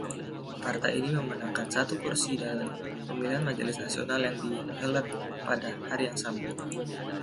Partai ini memenangkan satu kursi dalam pemilihan Majelis Nasional yang dihelat pada hari yang sama.